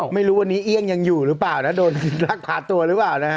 ไม่รู้วันนี้เอี่ยงยังอยู่หรือเปล่านะโดนรักษาตัวหรือเปล่านะฮะ